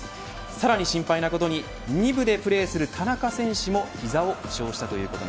さらに心配なことで２部でプレーする田中選手も膝を負傷しました。